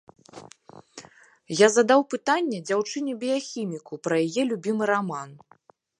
Я задаў пытанне дзяўчыне-біяхіміку пра яе любімы раман.